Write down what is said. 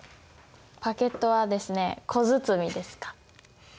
パケットはですね小包です。